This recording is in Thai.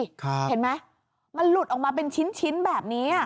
เห็นมั้ยมันหลุดออกมาเป็นชินแบบนี้อะ